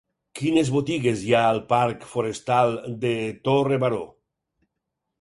Quines botigues hi ha al parc Forestal de Torre Baró?